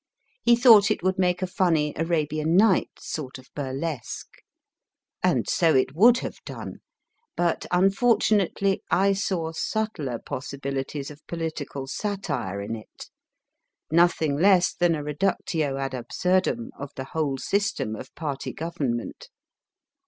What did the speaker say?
He thought it would make a funny * Arabian Nights sort of burlesque. And so it would have done ; but, unfortunately, I saw subtler possibilities of political satire in it, nothing less than a reductio ad absurdum of the whole system of Party Government.